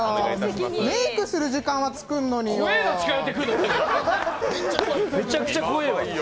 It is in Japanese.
メイクする時間も作んのによ。